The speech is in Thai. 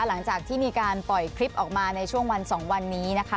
หลังจากที่มีการปล่อยคลิปออกมาในช่วงวัน๒วันนี้นะคะ